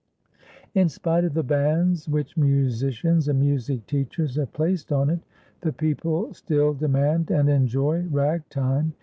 In spite of the bans which musicians and music teachers have placed on it, the people still demand and enjoy Ragtime.